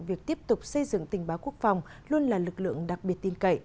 việc tiếp tục xây dựng tình báo quốc phòng luôn là lực lượng đặc biệt tin cậy